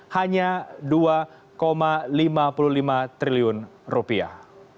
hanya dua lima puluh lima triliun rupiah